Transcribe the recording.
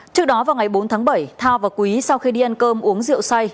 trước đó vào ngày bốn tháng bảy thao và quý sau khi đi ăn cơm uống rượu say